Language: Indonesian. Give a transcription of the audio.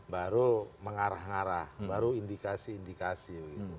baru mengarah ngarah baru indikasi indikasi